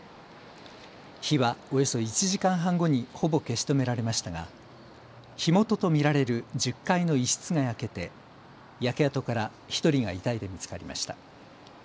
火はおよそ１時間半後にほぼ消し止められましたが火元と見られる１０階の一室が焼けて、焼け跡から１人が遺体で見つかりました。